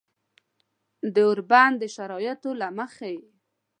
د اوربند د شرایطو له مخې